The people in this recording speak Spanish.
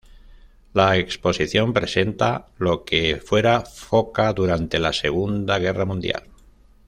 La exposición presenta lo que fuera Foča durante la Segunda Guerra Mundial.